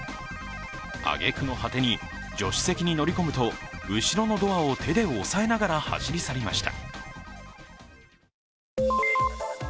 あげくの果てに、助手席に乗り込むと後ろのドアを手で押さえながら走り去りました。